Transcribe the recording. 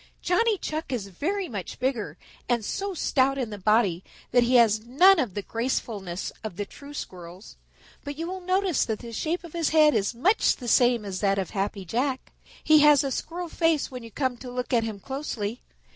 "Johnny Chuck is very much bigger and so stout in the body that he has none of the gracefulness of the true Squirrels. But you will notice that the shape of his head is much the same as that of Happy Jack. He has a Squirrel face when you come to look at him closely.